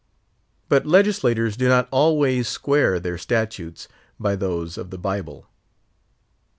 But legislators do not always square their statutes by those of the Bible.